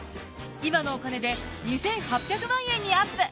今のお金で２，８００万円にアップ！